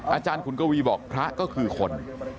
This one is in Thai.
อาจารย์ขุนกวีบอกพระก็คือคน